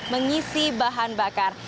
mengisi bahan bakar